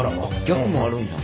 逆もあるんや。